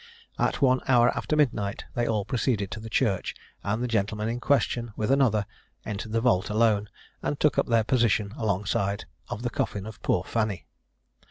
At one hour after midnight they all proceeded to the church, and the gentleman in question, with another, entered the vault alone, and took up their position alongside of the coffin of poor Fanny.